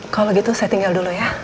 kalau gitu saya tinggal dulu ya